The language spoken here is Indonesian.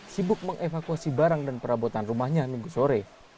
sibuk mengevakuasi barang dan perabotan rumahnya minggu sore